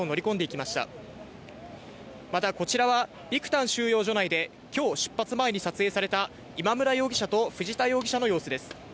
また、こちらはビクタン収容所内で今日、出発前に撮影された今村容疑者と藤田容疑者の様子です。